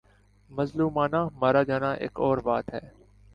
مظلومانہ مارا جانا ایک اور بات ہے۔